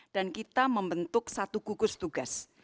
dan kita membentuk satu gugus tugas